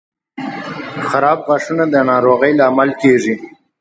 • خراب غاښونه د ناروغۍ لامل کیږي.